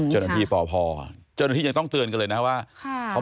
เจ้าหน้าที่ปพเจ้าหน้าที่ยังต้องเตือนกันเลยนะว่า